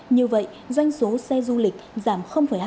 như vậy doanh số xe du lịch giảm hai